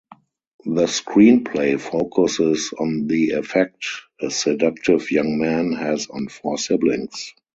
The screenplay focuses on the effect a seductive young man has on four siblings.